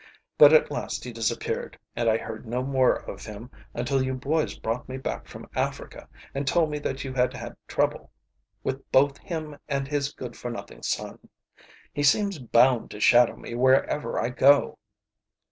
But at last he disappeared, and I heard no more of him until you boys brought me back from Africa, and told me that you had had trouble with both him and his good for nothing son. He seems bound to shadow me wherever I go."